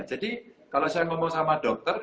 jadi kalau saya ngomong sama dokter